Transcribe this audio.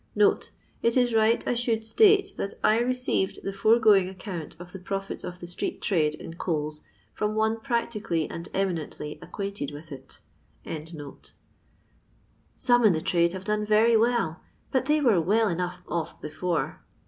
[It is right I shoold state that I received the foregoing account of ths profits of the street trade in coals from one prsc tically and eminently acquainted with it.] Soot in the trade have done very well, but they wers well enough off before.